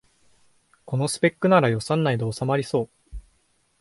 このスペックなら予算内でおさまりそう